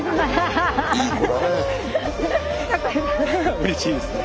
うれしいですね。